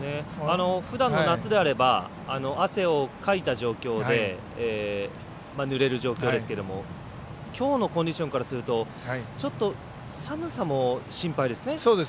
ふだんの夏であれば汗をかいた状況でぬれる状況ですけれどもきょうのコンディションからすると寒さも心配ですね。